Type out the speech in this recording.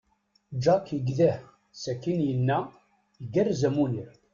Jack yegdeh, sakin yenna: Igerrez a Munir.